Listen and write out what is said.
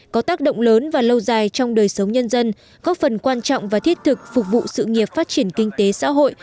có tác động lớn và lâu dài trong đời sống nhân dân góp phần quan trọng và thiết thực phục vụ sự nghiệp phát triển kinh tế xã hội